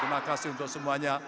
terima kasih untuk semuanya